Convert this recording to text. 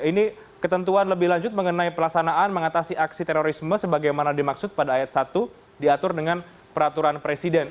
ini ketentuan lebih lanjut mengenai pelaksanaan mengatasi aksi terorisme sebagaimana dimaksud pada ayat satu diatur dengan peraturan presiden